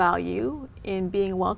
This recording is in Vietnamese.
của chúng tôi là